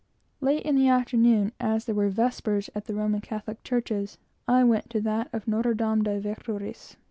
Late in the afternoon, as there were vespers at the Roman Catholic churches, I went to that of Notre Dame des Victoires.